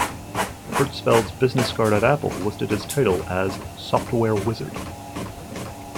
Hertzfeld's business card at Apple listed his title as "Software Wizard".